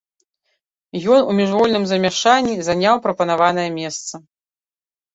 Ён у міжвольным замяшанні заняў прапанаванае месца.